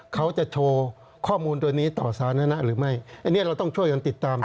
เขาจะโชว์ข้อมูลตัวนี้ต่อสาธารณะหรือไม่อันนี้เราต้องช่วยกันติดตาม